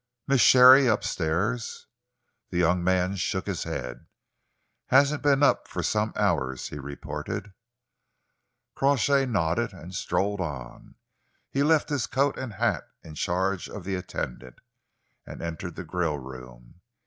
"Miss Sharey up stairs?" The young man shook his head. "Hasn't been up for some hours," he reported. Crawshay nodded and strolled on. He left his coat and hat in charge of the attendant, and entered the grill room.